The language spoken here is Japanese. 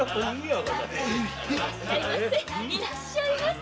いらっしゃいませ。